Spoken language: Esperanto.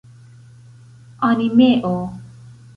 animeo